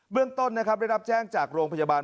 เบื้องต้นได้รับแจ้งจากโรงพยาบาล